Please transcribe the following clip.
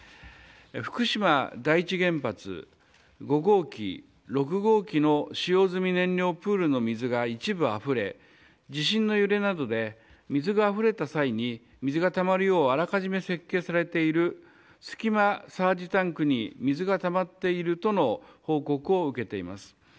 福島第一原発５号機、６号機の使用済み燃料プールの水が一部あふれ地震の揺れなどで水があふれた際に水がたまるようあらかじめ設定されている隙間サージタンクに水がたまっているとの報告を受けています。